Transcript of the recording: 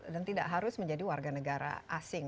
dan tidak harus menjadi warga negara asing